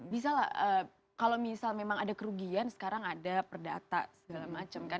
bisa lah kalau misal memang ada kerugian sekarang ada perdata segala macam kan